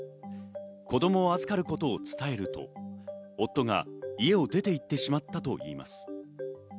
子供を預かることを伝えると夫が家を出て行ってしまったといいます。